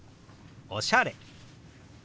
「おしゃれ」。